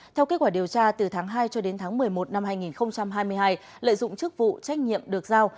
theo kết quả điều tra từ tháng hai cho đến tháng một mươi một năm hai nghìn hai mươi hai lợi dụng chức vụ trách nhiệm được giao